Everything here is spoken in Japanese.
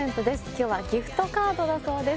きょうはギフトカードだそうです